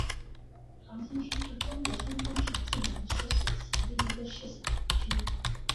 长清区是中国山东省济南市所辖的一个市辖区。